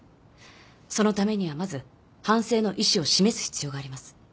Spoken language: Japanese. そのためにはまず反省の意思を示す必要があります。